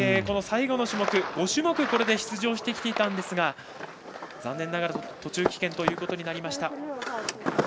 この最後の種目５種目出場してきていたんですが残念ながら途中棄権となりました。